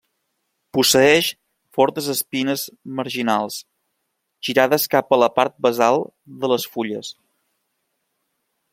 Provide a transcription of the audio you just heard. Posseeix fortes espines marginals, girades cap a la part basal de les fulles.